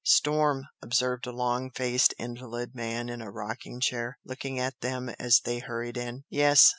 "Storm!" observed a long faced invalid man in a rocking chair, looking at them as they hurried in. "Yes!